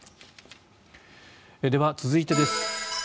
では、続いてです。